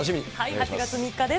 ８月３日です。